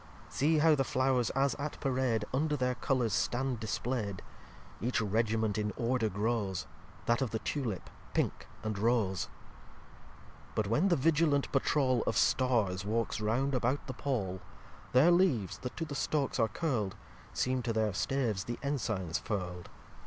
See how the Flow'rs, as at Parade, Under their Colours stand displaid: Each Regiment in order grows, That of the Tulip, Pinke, and Rose. xl But when the vigilant Patroul Of Stars walks round about the Pole, Their Leaves, that to the stalks are curl'd, Seem to their Staves the Ensigns furl'd.